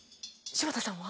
柴田さんは？